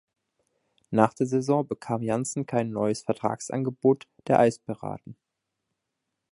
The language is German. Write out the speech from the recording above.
Nach der Saison bekam Janzen kein neues Vertragsangebot der Eispiraten.